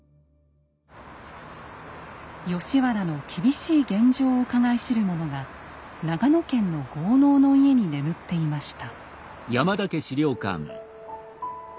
吉原の厳しい現状をうかがい知るものが長野県の豪農の家に眠っていました。